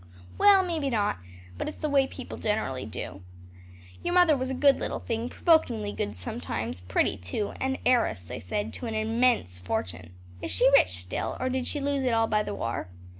"Well maybe not; but it's the way people generally do. Your mother was a good little thing, provokingly good sometimes; pretty too, and heiress, they said, to an immense fortune. Is she rich still? or did she lose it all by the war?"